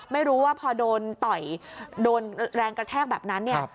ไม่รู้ว่าพอโดนต่อยโดนแรงกระแทกแบบนั้นเนี่ย